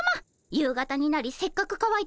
夕方になりせっかくかわいた